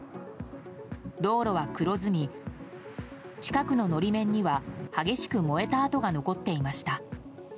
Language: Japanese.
道路は黒ずみ、近くの法面には激しく燃えた跡が残っていました。